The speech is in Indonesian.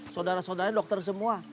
saudara saudaranya dokter semua